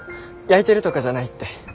やいてるとかじゃないって。